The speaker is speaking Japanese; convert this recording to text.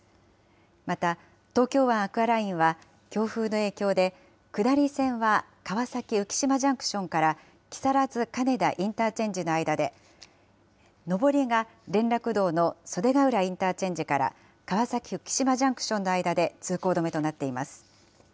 また、東京湾アクアラインは、強風の影響で、下り線は川崎浮島ジャンクションから木更津金田インターチェンジの間で、上りが連絡道の袖ヶ浦インターチェンジから川崎浮島ジャンクションの間で通行止めとなっています。